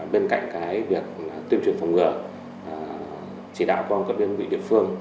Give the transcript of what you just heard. bên cạnh việc tuyên truyền phòng ngừa chỉ đạo công an cấp đơn vị địa phương